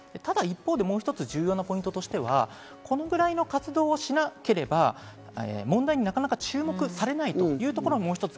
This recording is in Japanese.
ただ一方で、重要なポイントとしては、このぐらいの活動しなければ、問題になかなか注目されないというところは、もう一つ